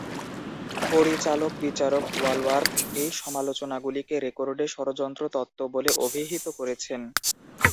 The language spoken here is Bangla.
পরিচালক বিচারক ওয়ালওয়ার্থ এই সমালোচনাগুলিকে রেকর্ডে "ষড়যন্ত্র তত্ত্ব" বলে অভিহিত করেছেন।